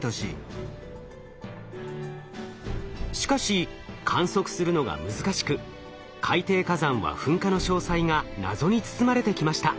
しかし観測するのが難しく海底火山は噴火の詳細が謎に包まれてきました。